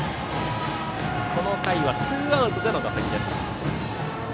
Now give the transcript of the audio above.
この回はツーアウトからの打席です。